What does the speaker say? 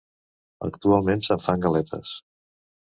Actualment se'n fan galetes.